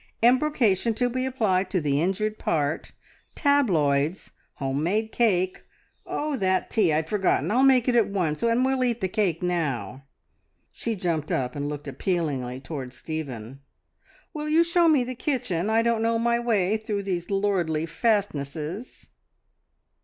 Embrocation to be applied to the injured part. ... Tabloids. Home made cake. ... Oh, that tea! I'd forgotten. I'll make it at once, and we'll eat the cake now." She jumped up and looked appealingly towards Stephen. "Will you show me the kitchen? I don't know my way through these lordly fastnesses!"